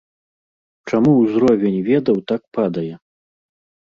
Чаму ўзровень ведаў так падае?